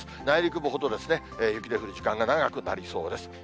内陸部ほど、雪で降る時間が長くなりそうです。